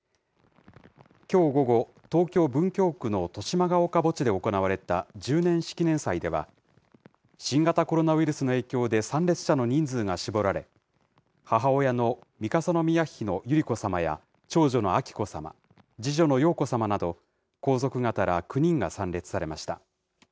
きょう午後、東京・文京区の豊島岡墓地で行われた十年式年祭では、新型コロナウイルスの影響で参列者の人数が絞られ、母親の三笠宮妃の百合子さまや長女の彬子さま、次女の瑶子さまなど、皇族方ら９人が参列されました。